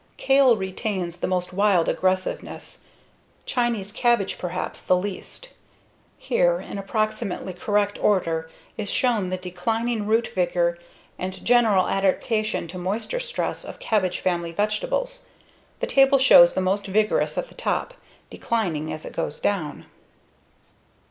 Kale retains the most wild aggressiveness, Chinese cabbage perhaps the least. Here, in approximately correct order, is shown the declining root vigor and general adaptation to moisture stress of cabbage family vegetables. The table shows the most vigorous at the top, declining as it goes down.